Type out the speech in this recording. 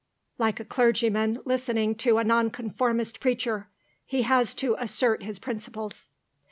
Like a clergyman listening to a Nonconformist preacher. He has to assert his principles."